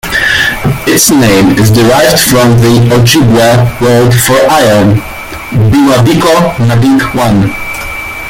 Its name is derived from the Ojibwe word for Iron: "Biwabiko-nabik-wan".